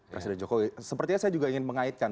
presiden jokowi sepertinya saya juga ingin mengaitkan